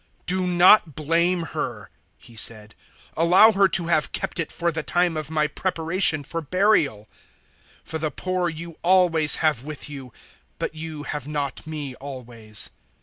"Do not blame her," He said, "allow her to have kept it for the time of my preparation for burial. 012:008 For the poor you always have with you, but you have not me always."